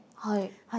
はい。